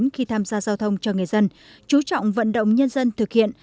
khi tham gia giao thông cho người dân chú trọng vận động nhân dân thực hiện